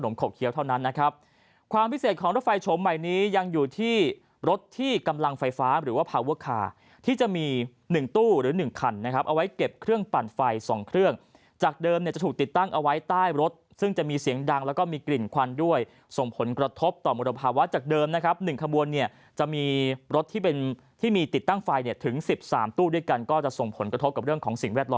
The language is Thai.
มีหนึ่งตู้หรือหนึ่งคันนะครับเอาไว้เก็บเครื่องปั่นไฟสองเครื่องจากเดิมเนี้ยจะถูกติดตั้งเอาไว้ใต้รถซึ่งจะมีเสียงดังแล้วก็มีกลิ่นควันด้วยส่งผลกระทบต่อมรบภาวะจากเดิมนะครับหนึ่งขบวนเนี้ยจะมีรถที่เป็นที่มีติดตั้งไฟเนี้ยถึงสิบสามตู้ด้วยกันก็จะส่งผลกระทบกับเรื่องของสิ่งแวดล